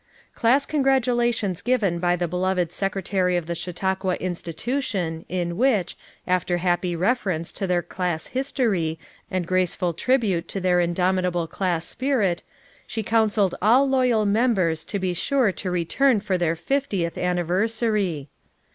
Class con gratulations given by the beloved secretary of the Chautauqua Institution in which, after happy reference to their class history and graceful tribute to their indomitable class spirit, she counseled all loyal members to be sure to re turn for their fiftieth anniversary!